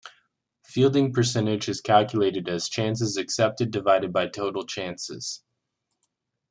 Fielding percentage is calculated as chances accepted divided by total chances.